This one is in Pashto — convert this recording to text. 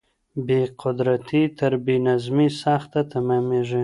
بې قدرتي تر بې نظمۍ سخته تماميږي.